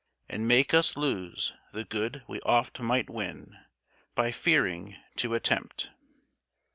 And make us lose the good we oft might win, By fearing to attempt.